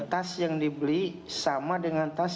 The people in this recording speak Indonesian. tas yang dibeli sama dengan tas